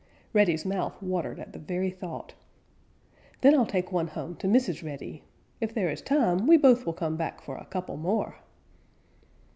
Reddy's mouth watered at the very thought. "Then I'll take one home to Mrs. Reddy. If there is time we both will come back for a couple more."